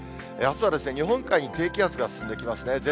あすは日本海に低気圧が進んできますね。